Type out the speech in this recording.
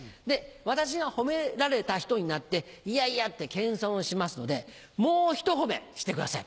私が褒められた人になって「いやいや」って謙遜をしますのでもうひと褒めしてください。